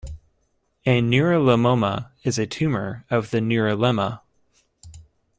A neurilemoma is a tumor of the neurilemma.